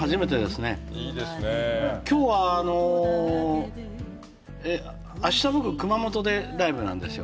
今日はあの明日僕熊本でライブなんですよ。